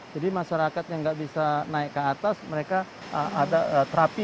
jadi masyarakat yang nggak bisa naik ke atas mereka ada terapi